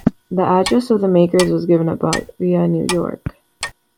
The address of the makers was given as Batavia, New York.